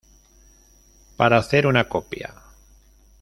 Para hacer una copiaː